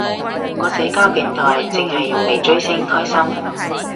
我社交平台剩係用嚟追星，開心